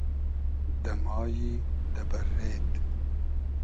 دۂ مایی دۂ بئررېد